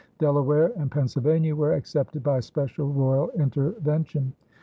Delaware and Pennsylvania were excepted by special royal intervention.